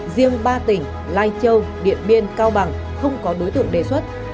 riêng ba tỉnh lai châu điện biên cao bằng không có đối tượng đề xuất